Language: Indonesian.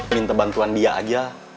minta bantuan dia aja